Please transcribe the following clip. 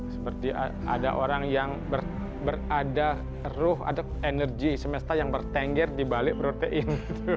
seperti ada orang yang berada roh ada energi semesta yang bertengger dibalik protein